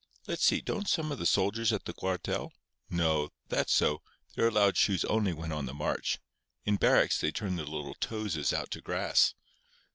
Let's see—don't some of the soldiers at the cuartel—no: that's so; they're allowed shoes only when on the march. In barracks they turn their little toeses out to grass."